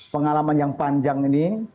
pengalaman yang panjang ini